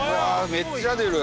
めっちゃ出る。